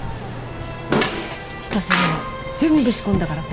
千歳には全部仕込んだからさ。